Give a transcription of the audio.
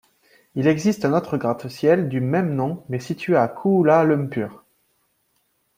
Il existe un autre gratte-ciel du même nom, mais situé à Kuala Lumpur.